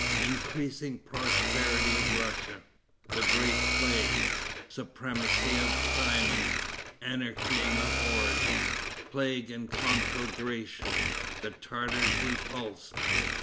Increasing Prosperity of Russia. The Great Plague. Supremacy of Simon. Anarchy in the Horde. Plague and Conflagration. The Tartars Repulsed.